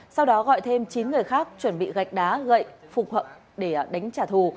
sau đó gọi thêm chín người khác chuẩn bị gạch đá gậy phục hậu để đánh trả thù